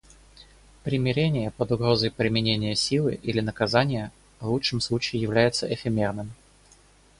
Примирение под угрозой применения силы или наказания в лучшем случае является эфемерным.